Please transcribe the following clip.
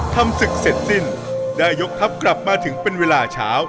ทำศึกเสร็จสิ้นได้ยกทัพกลับมาถึงเป็นเวลาเช้า